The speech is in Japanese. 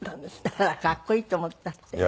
ほらかっこいいと思ったって。